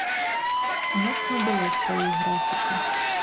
У нас не было сваёй графікі.